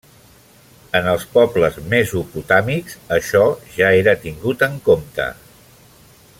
En els pobles mesopotàmics, això ja era tingut en compte.